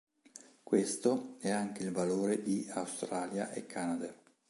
Questo è anche il valore di Australia e Canada.